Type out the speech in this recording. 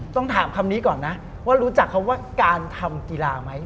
ต้องถามคำนี้ก่อนนะว่ารู้จักคำว่าการทำกีฬาไหม